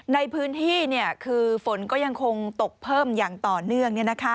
ในพื้นที่คือฝนก็ยังคงตกเพิ่มอย่างต่อเนื่อง